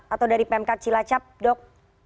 atau dari pemkad cilacap dok